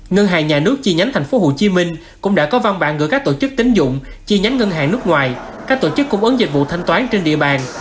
ngân hàng nhà nước chi nhánh thành phố hồ chí minh cũng đã có văn bản gửi các tổ chức tính dụng chi nhánh ngân hàng nước ngoài các tổ chức cung ứng dịch vụ thanh toán trên địa bàn